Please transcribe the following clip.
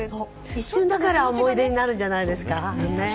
一瞬だから思い出になるんじゃないですか。